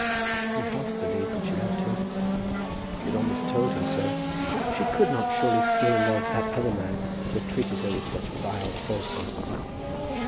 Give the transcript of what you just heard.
He half believed that she loved him. She had almost told him so. She could not surely still love that other man who had treated her with such vile falsehood?